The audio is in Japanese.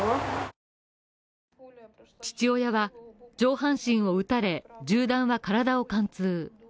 父親は上半身を撃たれ、銃弾は体を貫通。